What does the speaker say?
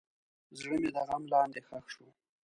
زړه مې د غم لاندې ښخ شو.